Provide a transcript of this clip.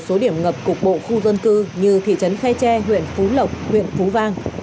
số điểm ngập cục bộ khu dân cư như thị trấn khe tre huyện phú lộc huyện phú vang